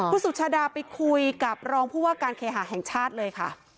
คุณสุชาดาไปคุยกับรองผู้ว่าการเคหาแห่งชาติเลยค่ะ